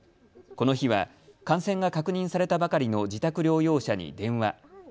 この日は感染が確認されたばかりの自宅療養者に電話。